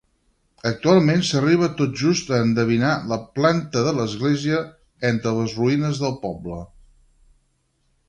Actualment s'arriba tot just a endevinar la planta de l'església, entre les ruïnes del poble.